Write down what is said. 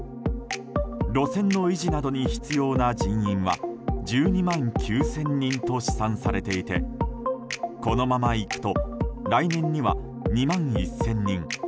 路線の維持などに必要な人員は１２万９０００人と試算されていてこのままいくと来年には２万１０００人